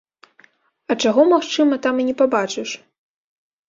А чаго, магчыма, там і не пабачыш?